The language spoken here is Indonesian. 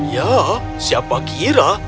ya siapa kira